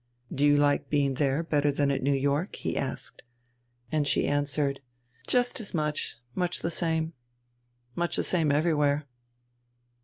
"Do you like being there better than at New York?" he asked. And she answered: "Just as much. It's much the same. Much the same everywhere."